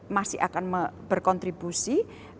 masih akan berkontribusi